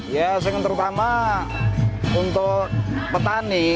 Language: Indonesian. ya terutama untuk petani